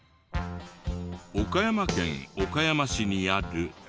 岡山県岡山市にある。